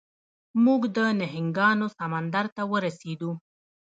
موږ د نهنګانو سمندر ته ورسیدو.